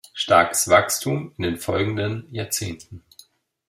Starkes Wachstum in den folgenden Jahrzehnten.